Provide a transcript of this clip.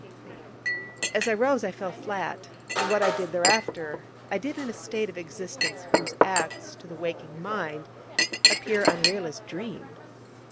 As I rose, I fell flat: and what I did thereafter I did in a state of existence whose acts, to the waking mind, appear unreal as dream.